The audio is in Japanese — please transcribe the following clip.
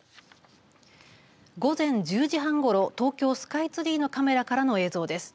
午前１０時半ごろ東京スカイツリーのカメラからの映像です。